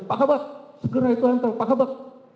pak kabak segera itu hantar pak kabak